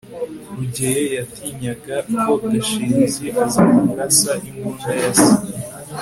rugeyo yatinyaga ko gashinzi azamurasa imbunda ya se